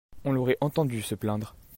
On l'aurait entendu se plaindre.